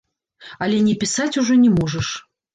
Але не пісаць ужо не можаш.